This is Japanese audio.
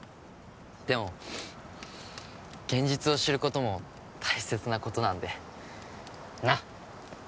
でも現実を知ることも大切なことなのでなっ